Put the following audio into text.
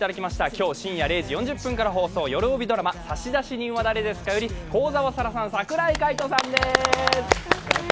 今日深夜０時４０分から放送、よるおびドラマ、「差出人は、誰ですか？」より幸澤沙良さん、櫻井海音さんです。